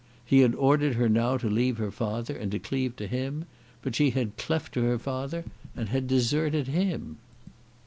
He had ordered her now to leave her father and to cleave to him; but she had cleft to her father and had deserted him.